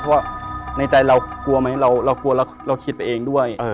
เพราะว่าในใจเรากลัวไหมเรากลัวเราคิดไปเองด้วย